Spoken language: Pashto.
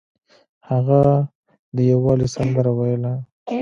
هغه د یووالي سندره ویله.